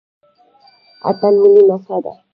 اتن ملي نڅا ده